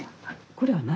これは何？